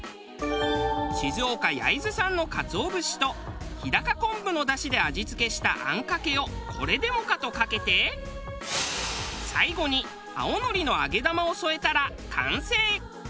静岡焼津産のかつお節と日高昆布の出汁で味付けしたあんかけをこれでもかとかけて最後に青海苔の揚げ玉を添えたら完成。